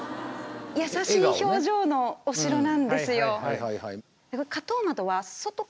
優しい表情のお城なんですよ。